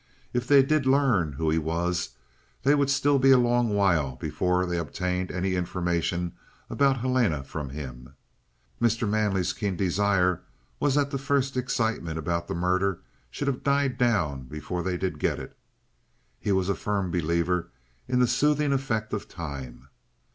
If they did learn who he was, they would still be a long while before they obtained any information about Helena from him. Mr. Manley's keen desire was that the first excitement about the murder should have died down before they did get it. He was a firm believer in the soothing effect of time.